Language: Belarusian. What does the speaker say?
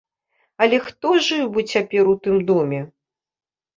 Але хто жыў бы цяпер у тым доме?